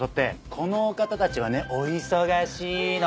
このお方たちはねお忙しいの！